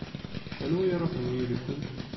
Anwa i iṛuḥen yid-kent?